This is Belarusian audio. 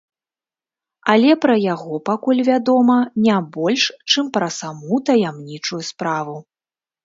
Але пра яго пакуль вядома не больш, чым пра саму таямнічую справу.